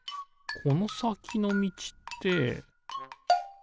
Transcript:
このさきのみちってピッ！